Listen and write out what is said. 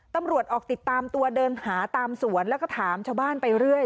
ตำรวจออกติดตามตัวเดินหาตามสวนแล้วก็ถามชาวบ้านไปเรื่อย